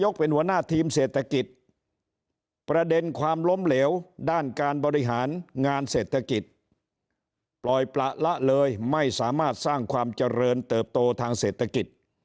เศรษฐกิจปล่อยประระไร้เลยไม่สามารถสร้างความเจริญเติบโตทางเศรษฐกิจ